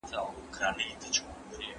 چای ورو وڅښه.